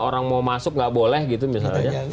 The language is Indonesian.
orang mau masuk nggak boleh gitu misalnya